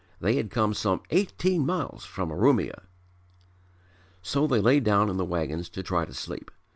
They had come some eighteen miles from Urumia. So they lay down in the wagons to try to sleep.